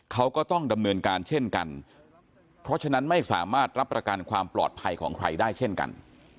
เขาก็ต้องดำเนินการเช่นกันเพราะฉะนั้นไม่สามารถรับประกันความปลอดภัยของใครได้เช่นกัน